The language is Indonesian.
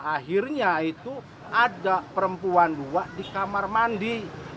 akhirnya itu ada perempuan dua di kamar mandi